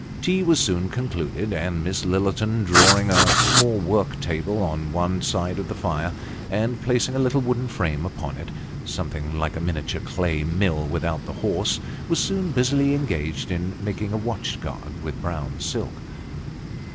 Tea was soon concluded, and Miss Lillerton, drawing a small work table on one side of the fire, and placing a little wooden frame upon it, something like a miniature clay mill without the horse, was soon busily engaged in making a watch guard with brown silk.